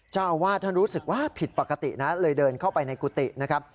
เจ้าอาวาสท่านรู้สึกว่าผิดปกตินะเลยเดินเข้าไปในกุฏินะครับ